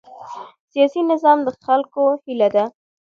سیاسي نظام د خلکو هیله ده